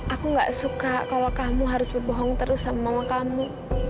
aku gak suka kalau kamu harus berbohong terus sama mama kamu